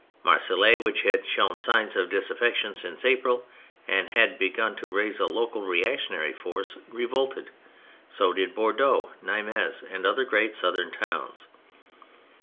Marseilles, which had shown signs of disaffection since April, and had begun to raise a local reactionary force, revolted. So did Bordeaux, Nimes, and other great southern towns.